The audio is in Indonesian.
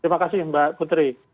terima kasih mbak putri